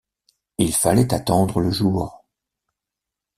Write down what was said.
Il fallait attendre le jour